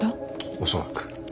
おそらく。